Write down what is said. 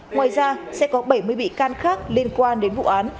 ngoài ra sẽ có bảy mươi bị can khác liên quan đến vụ án